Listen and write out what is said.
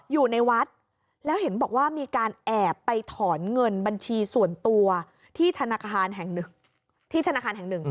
อยู่ในวัดแล้วเห็นบอกว่ามีการแอบไปถอนเงินบัญชีส่วนตัวที่ธนาคารแห่งหนึ่ง